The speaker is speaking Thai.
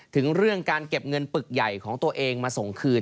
ถึงเรื่องการเก็บเงินปึกใหญ่ของตัวเองมาส่งคืน